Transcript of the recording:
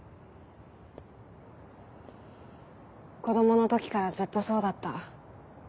子供の時からずっとそうだった。